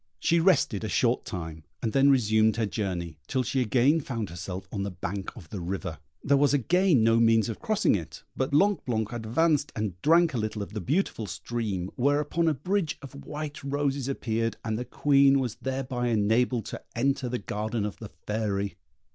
She rested a short time, and then resumed her journey, till she again found herself on the bank of the river. There was again no means of crossing it; but Blanc blanc advanced and drank a little of the beautiful stream, whereupon a bridge of white roses appeared, and the Queen was thereby enabled to enter the garden of the Fairy.